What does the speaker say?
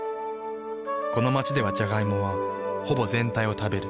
この街ではジャガイモはほぼ全体を食べる。